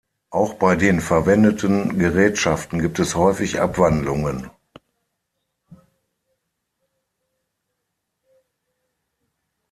Auch bei den verwendeten Gerätschaften gibt es häufig Abwandlungen.